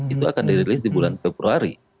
itu akan dirilis di bulan februari